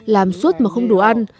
làm suốt mà không đủ ăn